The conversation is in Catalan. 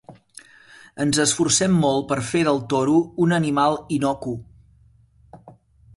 Ens esforcem molt per fer del toro un animal innocu.